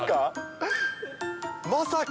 まさか？